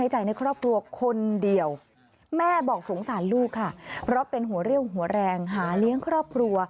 หัวเรี่ยวหัวแรงหาเลี้ยงครอบครัว